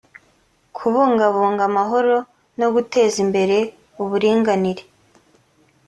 kubungabunga amahoro no guteza imbere uburinganire